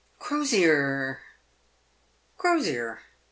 " Crosier! Crosier!"